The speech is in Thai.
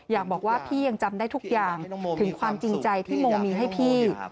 อยากบอกว่าพี่ยังจำได้ทุกอย่างถึงความจริงใจที่โมมีให้พี่